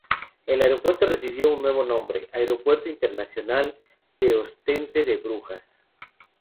El aeropuerto recibió un nuevo nombre: "Aeropuerto Internacional de Ostende-Brujas".